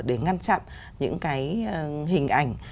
để ngăn chặn những cái hình ảnh